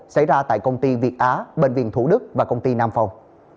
xảy ra tại công ty việt á bệnh viện thủ đức và công ty nam phong